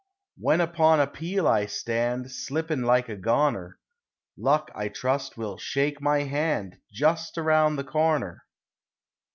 When upon a peel I stand, Slippin' like a goner, Luck, I trust, will shake my hand Just around the corner.